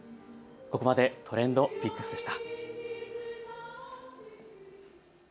ここまでＴｒｅｎｄＰｉｃｋｓでした。